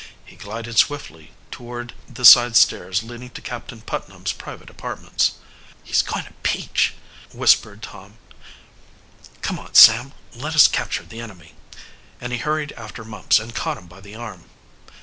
He glided swiftly toward the side stairs leading to Captain Putnam's private apartments. "He's going to peach!" whispered Tom, "Come on, Sam, let us capture the enemy!" and he hurried after Mumps and caught him by the arm.